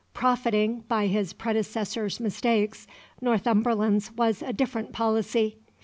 Profiting by his predecessor's mistakes, Northumberland's was a different policy.